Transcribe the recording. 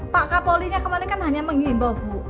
pak kapolinya kemarin kan hanya mengimbau bu